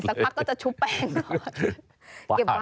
สักพักก็จะชุบแป้ง